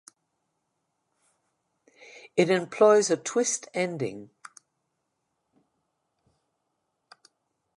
It employs a twist ending.